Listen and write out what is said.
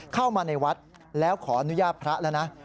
เข้ามาในวัดแล้วขออนุญาตพระแล้วนะ